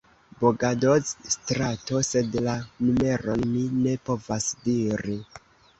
Bogadoz-strato, sed la numeron mi ne povas diri.